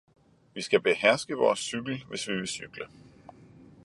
Vi skal beherske vores cykel hvis vi vil cykle.